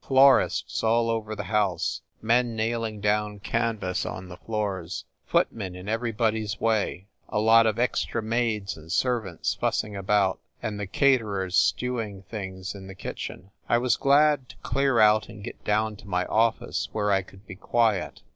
Florists all over the house, men nailing down canvas on the floors, footmen in everybody s way, a lot of extra maids and servants fussing about, and the caterers stewing things in the kitchen. I was glad to clear out and get down to my office where I could be quiet.